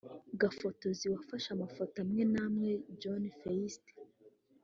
gafotozi wafashe amafoto amwe n’amwe; John Feist